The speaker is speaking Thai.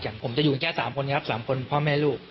อย่างผมจะอยู่กันแค่สามคนเนี่ยครับสามคนพ่อแม่ลูก